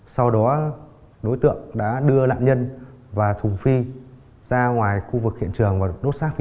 sau đó đối tượng đã đưa nạn nhân và thùng phi ra ngoài khu vực hiện trường và đốt xác phi